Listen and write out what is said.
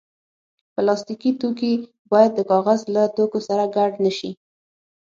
پلاستيکي توکي باید د کاغذ له توکو سره ګډ نه شي.